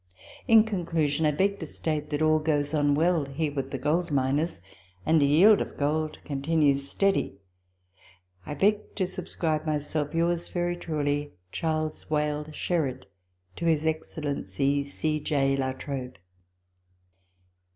In conclusion, I beg to state that all goes on well here with the gold miners, and the yield of gold continues steady. I beg to subscribe myself, Yours very truly, CHAS. WALE SHERARD. To His Excellency C. J. La Trobe.